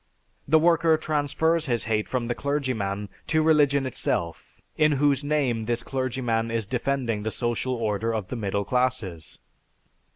The worker transfers his hate from the clergyman to religion itself, in whose name this clergyman is defending the social order of the middle classes.